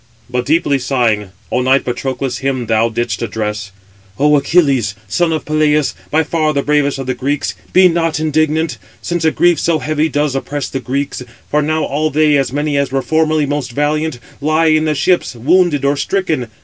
But deeply sighing, O knight Patroclus, him thou didst address: "O Achilles, son of Peleus, by far the bravest of the Greeks, be not indignant; since a grief so heavy does oppress the Greeks: for now all they, as many as were formerly most valiant, lie in the ships, wounded or stricken.